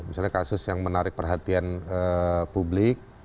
misalnya kasus yang menarik perhatian publik